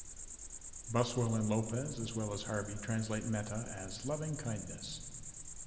Buswell and Lopez, as well as Harvey, translate "metta" as "loving-kindness".